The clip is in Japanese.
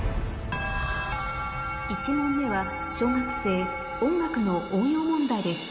１問目は小学生音楽の応用問題です